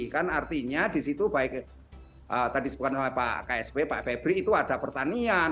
kan artinya disitu baik tadi sebutkan sama pak ksp pak febri itu ada pertanian